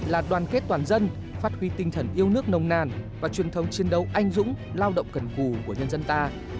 là đoàn kết toàn dân phát huy tinh thần yêu nước nồng nàn và truyền thống chiến đấu anh dũng lao động cần cù của nhân dân ta